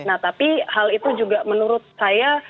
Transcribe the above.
nah tapi hal itu juga menurut saya